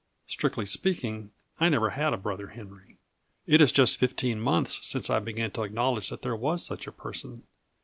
Strictly speaking, I never had a brother Henry. It is just fifteen months since I began to acknowledge that there was such a person.